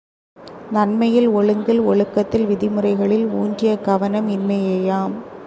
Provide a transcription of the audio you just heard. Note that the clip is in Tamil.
நன்மையில், ஒழுங்கில், ஒழுக்கத்தில் விதிமுறைகளில் ஊன்றிய கவனம் இன்மையேயாம்.